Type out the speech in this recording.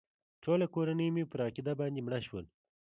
ټوله کورنۍ مې پر عقیده باندې مړه شول.